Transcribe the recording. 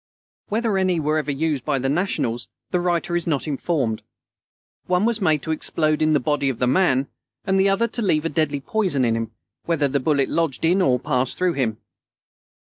Whether any were ever used by the Nationals, the writer is not informed._ One was made to explode in the body of the man, and the other to leave a deadly poison in him, whether the bullet lodged in or passed through him.